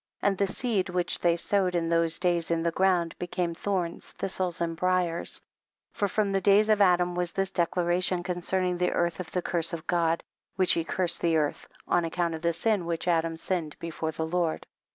8. And the seed which they sowed in those days in the ground became thorns, thistles and briers ; for from the days of Adam was this declara tion concerning the earth, of the curse of God, which he cursed the earth, on account of the sin which Adam sinned before the Lord.